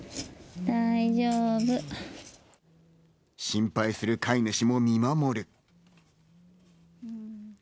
心配する飼い主も見守る。